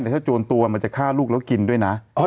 แต่ถ้าโจรตัวมันจะฆ่าลูกแล้วกินด้วยนะ